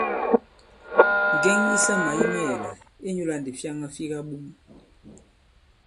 Ŋgɛŋ yisamà yi mayɛ̀là, inyūlā ndǐ fyaŋa fi kaɓom.